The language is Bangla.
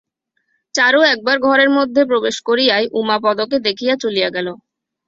চারু একবার ঘরের মধ্যে প্রবেশ করিয়াই উমাপদকে দেখিয়া চলিয়া গেল।